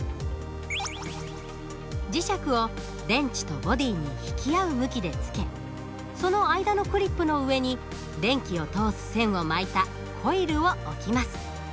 磁石を電池とボディに引き合う向きでつけその間のクリップの上に電気を通す線を巻いたコイルを置きます。